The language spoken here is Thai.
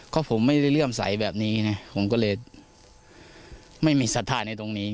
ก็ผมไม่ได้เลื่อมใสแบบนี้นะผมก็เลยไม่มีศรัทธาในตรงนี้